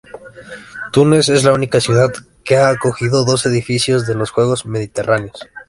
Túnez es la única ciudad que ha acogido dos ediciones de los Juegos Mediterráneos.